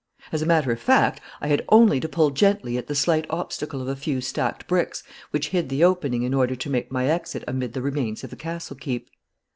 As a matter of fact, I had only to pull gently at the slight obstacle of a few stacked bricks which hid the opening in order to make my exit amid the remains of the castle keep.